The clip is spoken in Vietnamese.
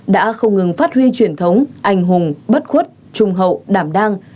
đã không ngừng phát huy truyền thống anh hùng bất khuất trung hậu đảm đang